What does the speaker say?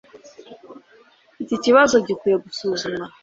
Iki kibazo gikwiye gusuzumwa